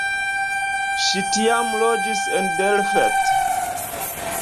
Ŝi tiam loĝis en Delft.